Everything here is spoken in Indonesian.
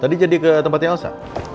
tadi jadi ke tempatnya elsa